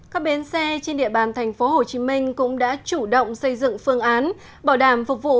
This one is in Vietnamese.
các bến xe trên địa bàn tp hcm cũng đã chủ động xây dựng phương án bảo đảm phục vụ